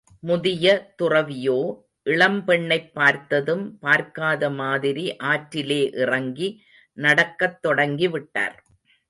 முதிய துறவியோ, இளம்பெண்ணைப் பார்த்ததும் பார்க்காத மாதிரி ஆற்றிலே இறங்கி நடக்கத் தொடங்கி விட்டார்.